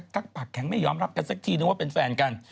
ักปากแข็งไม่ยอมรับกันสักทีนึงว่าเป็นแฟนกัน